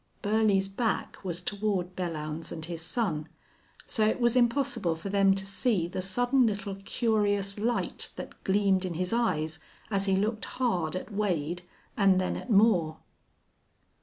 Burley's back was toward Belllounds and his son, so it was impossible for them to see the sudden little curious light that gleamed in his eyes as he looked hard at Wade, and then at Moore.